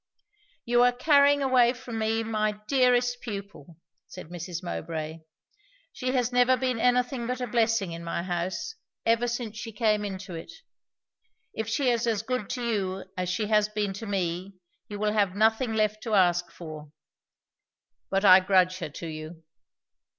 "You are carrying away from me my dearest pupil," said Mrs. Mowbray. "She has never been anything but a blessing in my house, ever since she came into it. If she is as good to you as she has been to me, you will have nothing left to ask for. But I grudge her to you!"